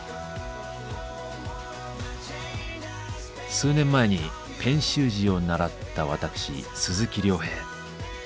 数年前にペン習字を習った私鈴木亮平。